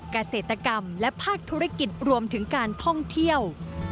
เกษตรกรรมและภาคธุรกิจรวมถึงการท่องเที่ยว